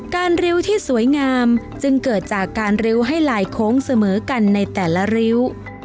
ริ้วที่สวยงามจึงเกิดจากการริ้วให้ลายโค้งเสมอกันในแต่ละริ้ว